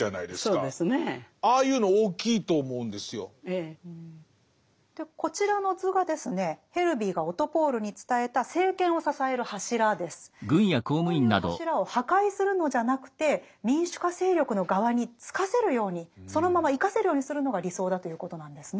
こういう柱を破壊するのじゃなくて民主化勢力の側につかせるようにそのまま生かせるようにするのが理想だということなんですね。